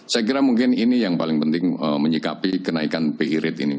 saya kira mungkin ini yang paling penting menyikapi kenaikan bi rate ini